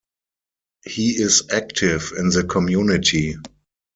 He is active in the community.